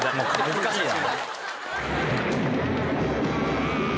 難しいな。